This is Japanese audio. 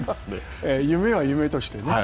夢は夢としてね。